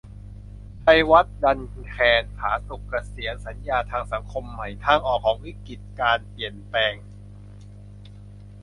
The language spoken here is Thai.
ชัยวัฒน์ ดันแคน ผาสุก เกษียร - สัญญาทางสังคมใหม่ : ทางออกของวิกฤติการเปลี่ยนแปลง